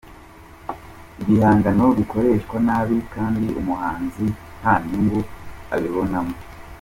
Ibihangano bikoreshwa nabi kandi umuhanzi nta nyungu abibonamo.